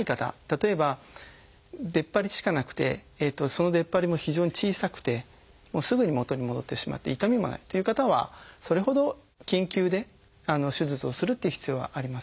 例えば出っ張りしかなくてその出っ張りも非常に小さくてすぐに元に戻ってしまって痛みもないという方はそれほど緊急で手術をするっていう必要はありません。